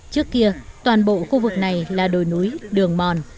trước kia toàn bộ khu vực này là đồi núi đường mòn